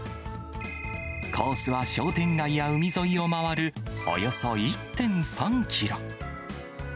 コースは商店街や海沿いを回る、およそ１．３キロ。